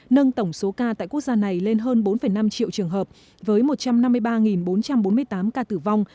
nâng tổng số ca tại quốc gia này lên hơn bốn năm triệu trường hợp với một trăm năm mươi ba bốn trăm bốn mươi tám ca tử vong